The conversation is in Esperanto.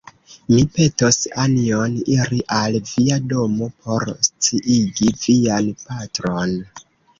Mi petos Anjon iri al via domo por sciigi vian patron.